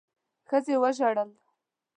ښځې وژړل.